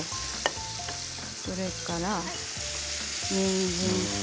それから、にんじんと。